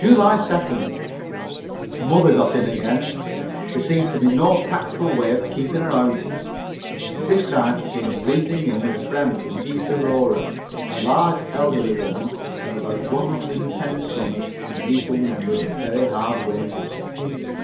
July 2nd. Mother got in again. There seems to be no practical way of keeping her out. This time she came breezing in with a friend from East Aurora, a large, elderly woman of about one hundred and ten summers and an equal number of very hard winters.